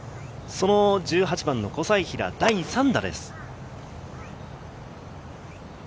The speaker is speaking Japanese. その１８番の小斉平、第３打です。